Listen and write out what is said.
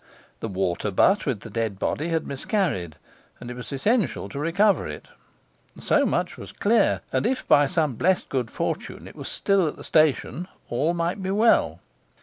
The water butt with the dead body had miscarried, and it was essential to recover it. So much was clear; and if, by some blest good fortune, it was still at the station, all might be well.